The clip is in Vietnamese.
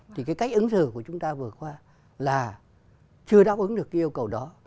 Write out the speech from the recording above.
thì cái cách ứng dự của chúng ta vừa qua là chưa đáp ứng được yêu cầu đó